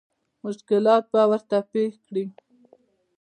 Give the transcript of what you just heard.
مشکلات به ورته پېښ کړي.